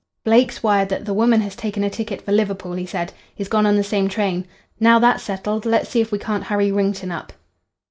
"Blake's wired that the woman has taken a ticket for Liverpool," he said. "He's gone on the same train. Now that's settled, let's see if we can't hurry Wrington up."